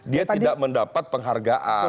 dia tidak mendapat penghargaan